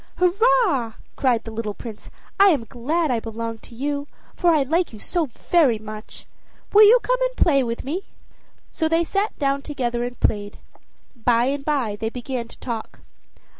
"Hurrah!" cried the little Prince; "I am glad I belong to you, for I like you very much. Will you come and play with me?" So they sat down together and played. By and by they began to talk.